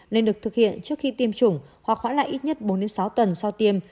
nên được thực hiện trước khi tiêm chủng hoặc hoãn lại ít nhất bốn sáu tuần sau tiêm